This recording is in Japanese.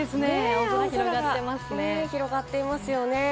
青空が広がっています。